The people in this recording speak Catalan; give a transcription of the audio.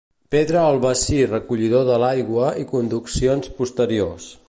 Pedra al bassi recollidor de l'aigua i conduccions posteriors.